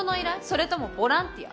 それともボランティア？